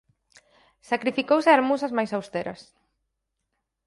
Sacrificouse ás musas máis austeras.